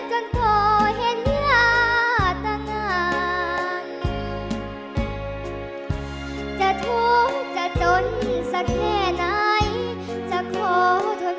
จองมือกราบร้องที่ตรงเนื้ออ่าน